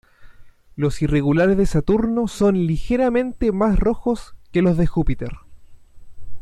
Los irregulares de Saturno son ligeramente más rojos que los de Júpiter.